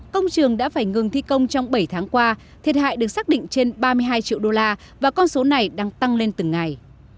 công trường đã phải ngừng thi công trong bảy tháng qua thiệt hại được xác định trên ba mươi hai triệu đô la và con số này đang tăng lên từng ngày